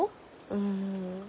うん。